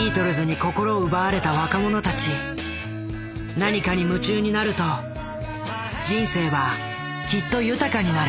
何かに夢中になると人生はきっと豊かになる。